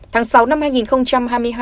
tháng sáu năm hai nghìn hai mươi hai